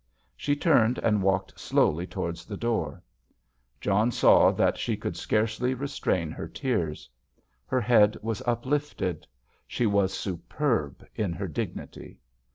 She turned and walked slowly towards the door. John saw that she could scarcely restrain her tears; her head was uplifted—she was superb in her dignity.